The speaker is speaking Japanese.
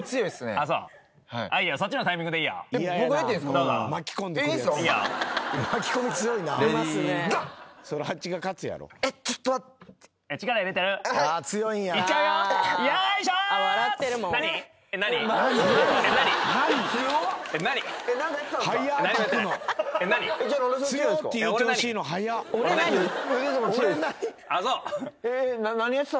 ああそう。